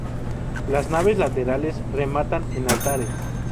Las naves laterales rematan en altares.